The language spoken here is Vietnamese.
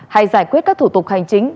hay giải quyết các thủ tục hành chính